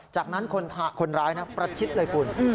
จากนั้นคนร้ายนะประชิดเลยคุณ